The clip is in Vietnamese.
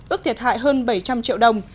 ước thiệt hại hơn bảy trăm linh triệu đồng